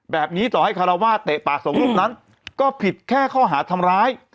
ต่อให้คารวาสเตะปากสองรูปนั้นก็ผิดแค่ข้อหาทำร้าย